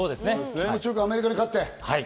気持ちよくアメリカに勝って。